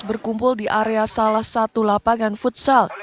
berkumpul di area salah satu lapangan futsal